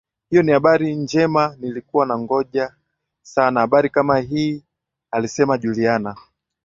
Hiyo ni habari njemanilikuwa nangoja sana habari kama hiialisema Juliana